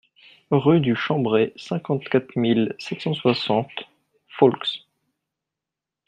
Rue du Chambré, cinquante-quatre mille sept cent soixante Faulx